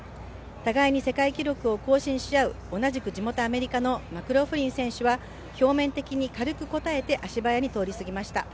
互いに世界記録を更新し合う同じく地元アメリカのマクローフリン選手は表面的に軽く答えて足早に通り過ぎました。